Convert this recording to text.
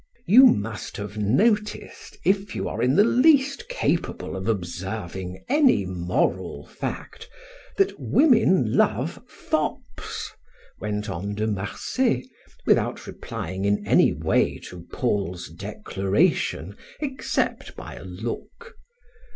"You must have noticed, if you are in the least capable of observing any moral fact, that women love fops," went on De Marsay, without replying in any way to Paul's declaration except by a look.